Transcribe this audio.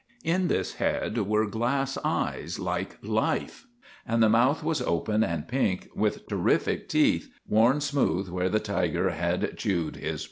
In this head were glass eyes, like life, and the mouth was open and pink, with terrific teeth—worn smooth where the tiger had chewed his prey.